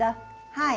はい。